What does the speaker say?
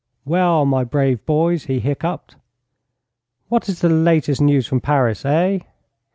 'Well, my brave boys,' he hiccoughed. 'What is the latest news from Paris, eh?